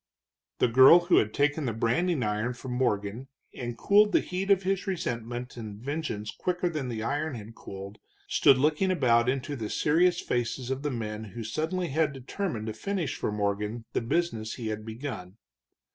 The girl who had taken the branding iron from Morgan and cooled the heat of his resentment and vengeance quicker than the iron had cooled, stood looking about into the serious faces of the men who suddenly had determined to finish for Morgan the business he had begun.